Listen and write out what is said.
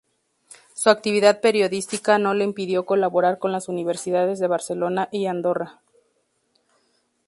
Su actividad periodística no le impidió colaborar con las Universidades de Barcelona y Andorra.